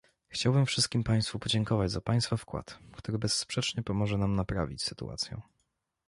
Chciałabym wszystkim państwu podziękować za państwa wkład, który bezsprzecznie pomoże nam naprawić sytuację